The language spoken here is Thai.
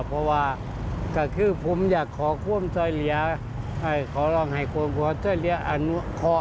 เพราะว่าผมอยากขอร้องให้คนภาทเจ้าเหลียอโคะ